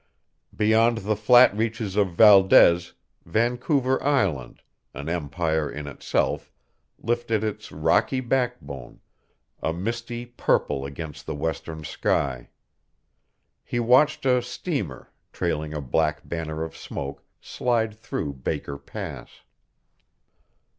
Beyond the flat reaches of Valdez, Vancouver Island, an empire in itself, lifted its rocky backbone, a misty purple against the western sky. He watched a steamer, trailing a black banner of smoke, slide through Baker Pass.